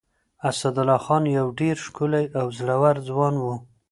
اسدالله خان يو ډېر ښکلی او زړور ځوان و.